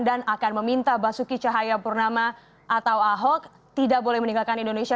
dan akan meminta basuki cahaya purnama atau ahok tidak boleh meninggalkan indonesia